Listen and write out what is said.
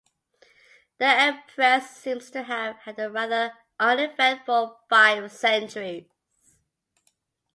The Empress seems to have had a rather uneventful five centuries.